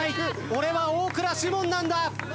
俺は大倉士門なんだ！